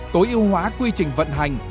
tối ưu hóa quy trình vận hành